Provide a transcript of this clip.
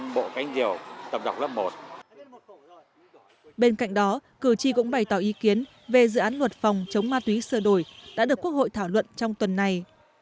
bên cạnh đó cử tri cũng bày tỏ ý kiến về dự án luật phòng chống ma túy sơ đổi đã được quốc hội thảo luận trong tuần này